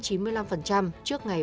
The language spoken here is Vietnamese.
đạt trên chín mươi năm trước ngày ba